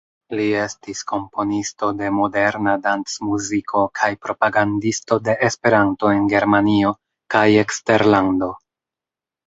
Li estis komponisto de moderna dancmuziko kaj propagandisto de Esperanto en Germanio kaj eksterlando.